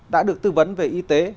đã được tư vấn về y tế